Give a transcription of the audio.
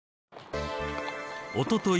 おととい